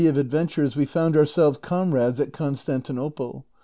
363 of adventnres we found ourselves comrades at Constantinople.